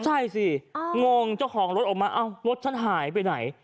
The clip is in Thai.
ใช่สิงงเจ้าของรถออกมาเอ้ารถฉันหายไปไหน